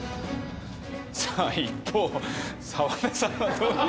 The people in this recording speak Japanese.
さあ一方澤田さんはどういう。